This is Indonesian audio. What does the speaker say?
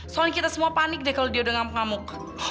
soalnya kita semua panik deh kalau dia udah ngamuk ngamuk